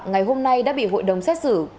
ngày hôm nay đã bị hội đồng xét xử